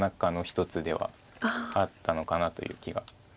１つではあったのかなという気が。